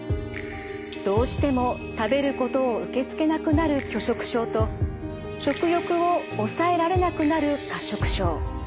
どうしても食べることを受け付けなくなる拒食症と食欲を抑えられなくなる過食症。